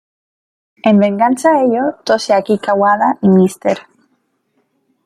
En venganza a ello, Toshiaki Kawada y Mr.